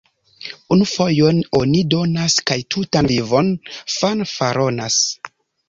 Unu fojon oni donas kaj tutan vivon fanfaronas.